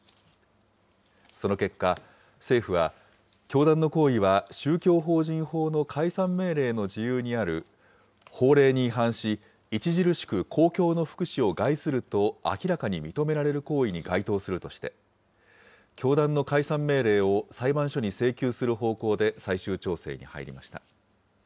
その結果、政府は、教団の行為は宗教法人法の解散命令の事由にある法令に違反し、著しく公共の福祉を害すると明らかに認められる行為に該当するとして、教団の解散命令を裁判所に請求する方向で最終調整に入りました。